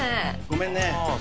ごめんねあ